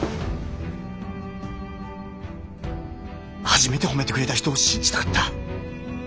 初めて褒めてくれた人を信じたかった。